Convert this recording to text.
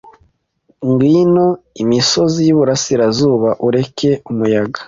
Ngwino imisozi yiburasirazuba ureke umuyaga